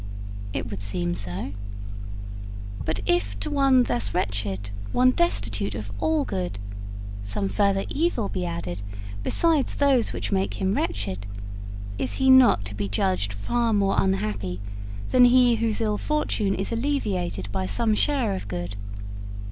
'It would seem so.' 'But if to one thus wretched, one destitute of all good, some further evil be added besides those which make him wretched, is he not to be judged far more unhappy than he whose ill fortune is alleviated by some share of good?'